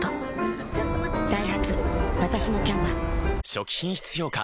初期品質評価